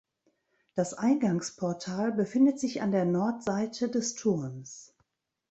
Das Eingangsportal befindet sich an der Nordseite des Turms.